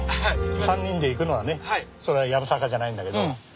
３人で行くのはねそれはやぶさかじゃないんだけど。